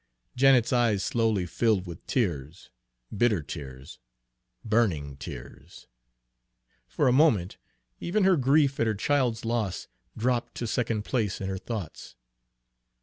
Janet's eyes slowly filled with tears bitter tears burning tears. For a moment even her grief at her child's loss dropped to second place in her thoughts.